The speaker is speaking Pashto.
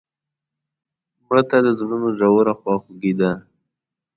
مړه ته د زړونو ژوره خواخوږي ده